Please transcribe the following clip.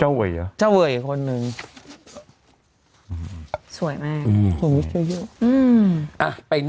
เจ้าเว่๋ยเจ้าเว่๋ยอีกคนหนึ่งสวยไหม